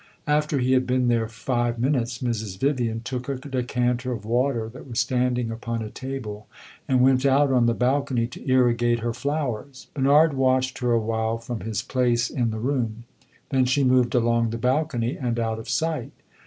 After he had been there five minutes, Mrs. Vivian took a decanter of water that was standing upon a table and went out on the balcony to irrigate her flowers. Bernard watched her a while from his place in the room; then she moved along the balcony and out of sight.